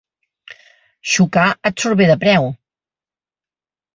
Xocar et surt bé de preu.